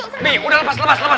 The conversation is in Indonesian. nih udah lepas lepas lepas